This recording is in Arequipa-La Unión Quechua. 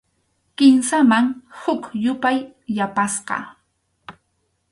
Kimsaman huk yupay yapasqa.